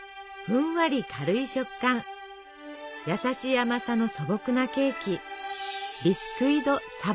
ふんわり軽い食感やさしい甘さの素朴なケーキ。